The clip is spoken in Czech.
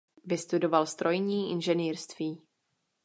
Vystudoval strojní inženýrství.